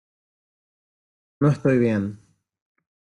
no estoy bien.